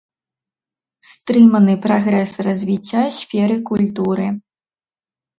Стрыманы прагрэс развіцця сферы культуры.